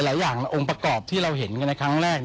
หลายอย่างองค์ประกอบที่เราเห็นกันในครั้งแรก